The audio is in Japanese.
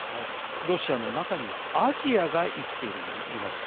ロシアの中にはアジアが生きています。